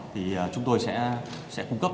thì chúng tôi sẽ cung cấp